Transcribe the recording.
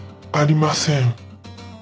「ありません」